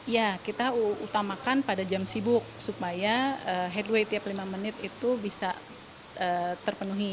ya kita utamakan pada jam sibuk supaya headway tiap lima menit itu bisa terpenuhi